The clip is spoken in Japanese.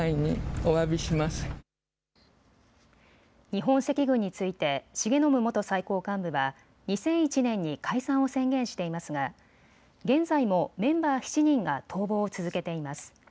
日本赤軍について重信元最高幹部は２００１年に解散を宣言していますが現在もメンバー７人が逃亡を続けています。